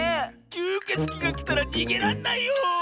きゅうけつきがきたらにげらんないよ。